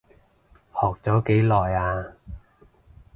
學咗幾耐啊？